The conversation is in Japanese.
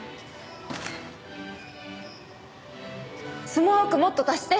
スモークもっと足して！